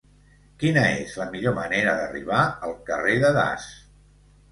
Quina és la millor manera d'arribar al carrer de Das?